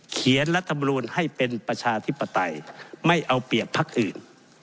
รัฐมนูลให้เป็นประชาธิปไตยไม่เอาเปรียบพักอื่น